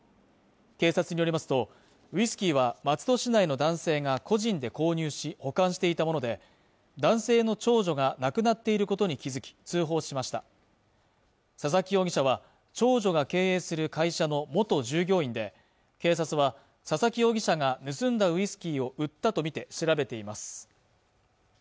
警察によりますとウイスキーは松戸市内の男性が個人で購入し保管していたもので男性の長女がなくなっていることに気付き通報しました佐々木容疑者は長女が経営する会社の元従業員で警察は佐々木容疑者が盗んだウイスキーを売ったとみて調べています